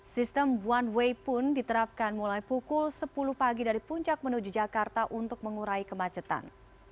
sistem one way pun diterapkan mulai pukul sepuluh pagi dari puncak menuju jakarta untuk mengurai kemacetan